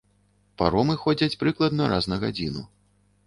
Паромы ходзяць прыкладна раз на гадзіну.